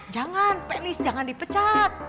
jangan pelis jangan dipecat